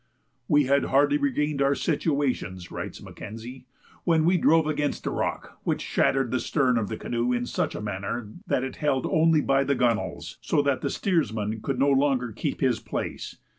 "We had hardly regained our situations," writes Mackenzie, "when we drove against a rock, which shattered the stern of the canoe in such a manner that it held only by the gunwales, so that the steersman could no longer keep his place.